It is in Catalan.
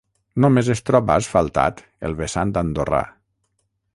Només es troba asfaltat el vessant andorrà.